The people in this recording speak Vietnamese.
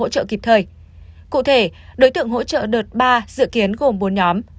cụ thể đối tượng hỗ trợ đợt ba dự kiến gồm bốn nhóm